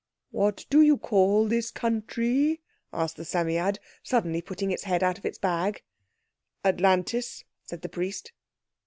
"What do you call this country?" asked the Psammead, suddenly putting its head out of its bag. "Atlantis," said the priest.